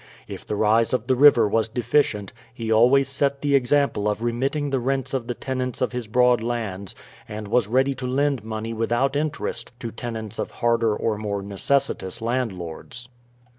If the rise of the river was deficient, he always set the example of remitting the rents of the tenants of his broad lands, and was ready to lend money without interest to tenants of harder or more necessitous landlords.